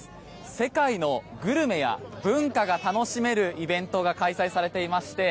世界のグルメや文化が楽しめるイベントが開催されていまして